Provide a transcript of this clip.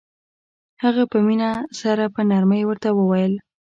هغه په مينه سره په نرمۍ ورته وويل.